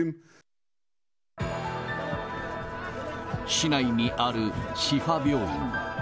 市内にあるシファ病院。